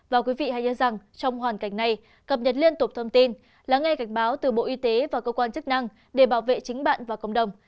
và quý vị hãy nhớ rằng trong hoàn cảnh này cập nhật liên tục thông tin lắng nghe gạch báo từ bộ y tế và cơ quan chức năng để bảo vệ chính bạn và cộng đồng